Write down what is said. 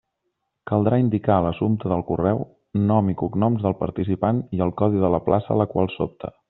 Caldrà indicar a l'assumpte del correu: nom i cognoms del participant i el codi de la plaça a la qual s'opta.